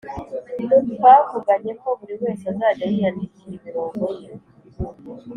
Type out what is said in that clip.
Twavuganye ko buriwese azajya yiyandikira imirongo ye